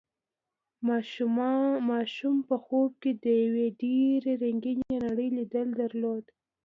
ماشوم په خوب کې د یوې ډېرې رنګینې نړۍ لید درلود.